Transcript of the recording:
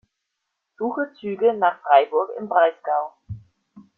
Suche Züge nach Freiburg im Breisgau.